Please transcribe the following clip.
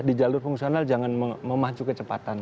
di jalur fungsional jangan memacu kecepatan